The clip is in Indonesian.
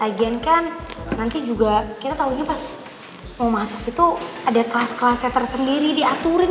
agen kan nanti juga kita taunya pas mau masuk itu ada kelas kelasnya tersendiri diaturin